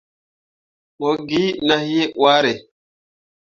Mo gi nah hii hwaare.